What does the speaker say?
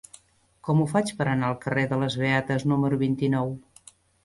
Com ho faig per anar al carrer de les Beates número vint-i-nou?